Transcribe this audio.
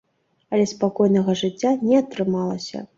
Але спакойнага жыцця не атрымалася.